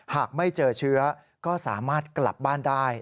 หากไม่เจอเชื้อก็สามารถกลับบ้านได้